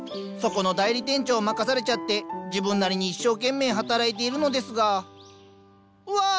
そこの代理店長を任されちゃって自分なりに一生懸命働いているのですがうわ